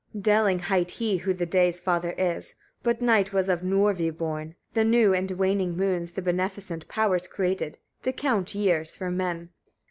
_ 25. Delling hight he who the day's father is, but night was of Nörvi born; the new and waning moons the beneficent powers created, to count years for men.